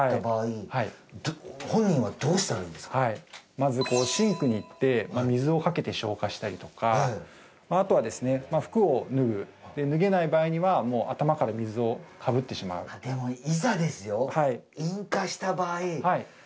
まずシンクに行って水をかけて消火したりとかあとはですね服を脱ぐ脱げない場合には頭から水をかぶってしまうでもいざですよ